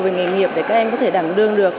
về nghề nghiệp để các em có thể đảm đương được